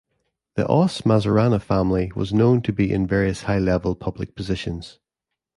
The Oss Mazzurana Family was known to be in various high-level public positions.